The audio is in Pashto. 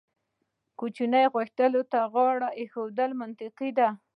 کوچنۍ غوښتنو ته غاړه ایښودل منطقي دي.